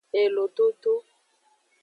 Elododo.